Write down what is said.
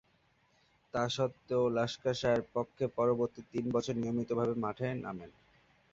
তাস্বত্ত্বেও ল্যাঙ্কাশায়ারের পক্ষে পরবর্তী তিন বছর নিয়মিতভাবে মাঠে নামেন।